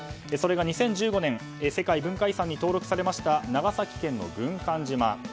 それが２０１５年世界文化遺産に登録されました長崎県の軍艦島。